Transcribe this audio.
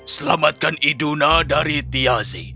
selamatkan iduna dari thiazi